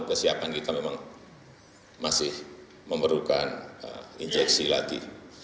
kesiapan kita memang masih memerlukan injeksi lagi